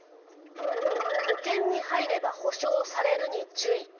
保険に入れば保証されるに注意。